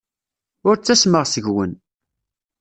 Ur ttasmeɣ seg-wen.